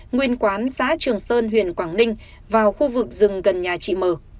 nguyên quán xã trường sơn huyện quảng ninh vào khu vực rừng gần nhà chị m